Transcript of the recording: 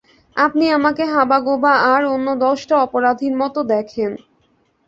আপনি আমাকে হাবাগোবা আর অন্য দশটা অপরাধীর মতো দেখেন।